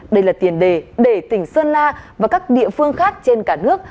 đây là tiền đề để tỉnh sơn la và các địa phương khác trên cả nước